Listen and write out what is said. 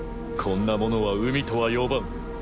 こんなものは海とは呼ばん。